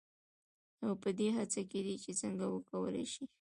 او پـه دې هـڅـه کې دي چـې څـنـګه وکـولـى شـي.